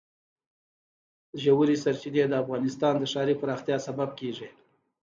ژورې سرچینې د افغانستان د ښاري پراختیا سبب کېږي.